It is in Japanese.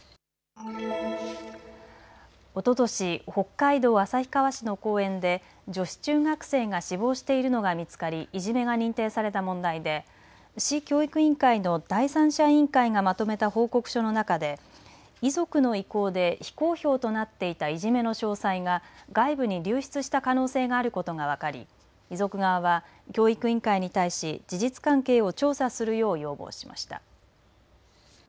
おととし北海道旭川市の公園で女子中学生が死亡しているのが見つかり、いじめが認定された問題で市教育委員会の第三者委員会がまとめた報告書の中で遺族の意向で非公表となっていたいじめの詳細が外部に流出した可能性があることが分かり遺族側は教育委員会に対し事実関係を調査するよう要望しました。